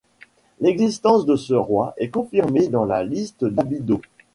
L'existence de ce roi est confirmée dans la liste d'Abydos.